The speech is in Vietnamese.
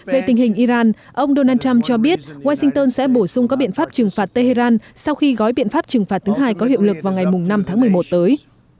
về tình hình iran ông donald trump cho biết washington sẽ bổ sung các biện pháp trừng phạt tehran sau khi gói biện pháp trừng phạt thứ hai có hiệu lực vào ngày năm tháng một mươi một tới